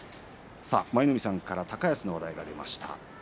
舞の海さんから高安の話題が出ました。